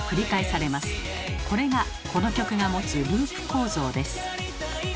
これがこの曲が持つ「ループ構造」です。